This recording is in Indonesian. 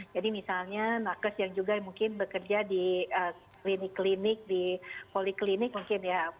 jadi misalnya nakes yang juga mungkin bekerja di klinik klinik di poliklinik mungkin ya